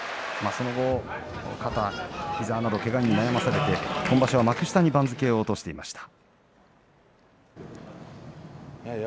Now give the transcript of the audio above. そのあと膝などけがに悩まされて今場所幕下に番付を落としていました。